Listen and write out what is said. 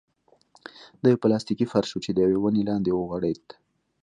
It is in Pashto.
دا يو پلاستيکي فرش و چې د يوې ونې لاندې وغوړېد.